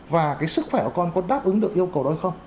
và cái sức khỏe của con có đáp ứng được yêu cầu đó hay không